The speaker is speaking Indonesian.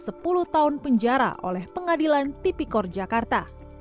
sepuluh tahun penjara oleh pengadilan tipikor jakarta